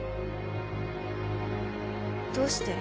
どうして？